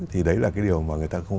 thì đấy là cái điều mà